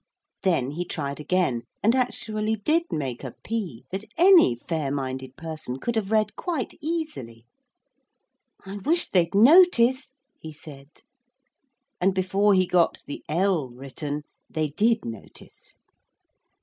Then he tried again and actually did make a 'P' that any fair minded person could have read quite easily. 'I wish they'd notice,' he said, and before he got the 'l' written they did notice.